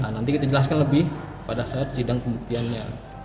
nanti kita jelaskan lebih pada saat sidang pembuktiannya